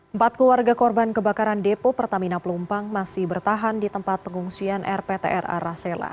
empat keluarga korban kebakaran depo pertamina pelumpang masih bertahan di tempat pengungsian rptra rasela